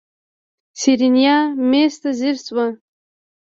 سېرېنا مېز ته ځير شوه.